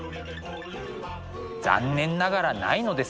残念ながらないのです。